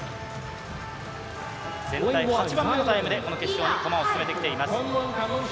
全体８番目のタイムでこの決勝にこまを進めてきています。